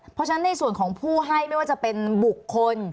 เพราะฉะนั้นในส่วนของผู้ให้ไม่ว่าจะเป็นบุคคล